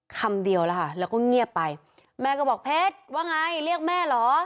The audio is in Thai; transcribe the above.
คำเดียวแล้วค่ะแล้วก็เงียบไปแม่ก็บอกเพชรว่าไงเรียกแม่เหรอ